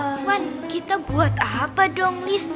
avan kita buat apa dong liz